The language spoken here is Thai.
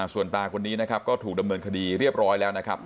ส่วนตาคนนี้นะครับก็ถูกดำเนินคดีเรียบร้อยแล้วนะครับ